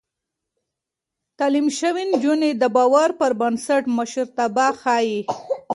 تعليم شوې نجونې د باور پر بنسټ مشرتابه ښيي.